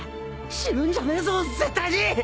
死ぬんじゃねえぞ絶対に。